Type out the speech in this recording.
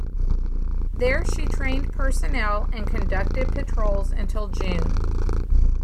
There she trained personnel and conducted patrols until June.